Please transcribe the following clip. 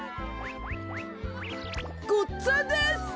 ごっつぁんです！